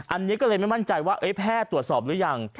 อันนี้ก็เลยไม่มั่นใจว่าแพทย์ตรวจสอบหรือยัง